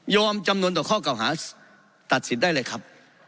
จำนวนต่อข้อเก่าหาตัดสินได้เลยครับ